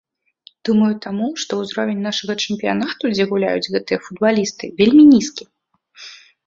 Думаю таму, што узровень нашага чэмпіянату, дзе гуляюць гэтыя футбалісты, вельмі нізкі.